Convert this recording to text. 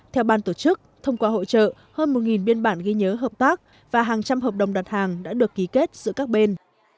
theo ban tổ chức thông qua hội trợ hơn một biên bản ghi nhớ hợp tác và hàng trăm hợp đồng đặt hàng đã được ký kết giữa các bên